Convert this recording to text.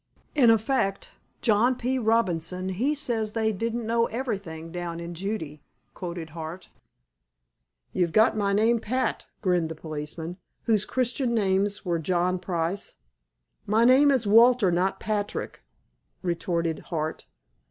"In effect, John P. Robinson he sez they didn't know everythin' down in Judee," quoted Hart. "You've got my name pat," grinned the policeman, whose Christian names were "John Price." "My name is Walter, not Patrick," retorted Hart.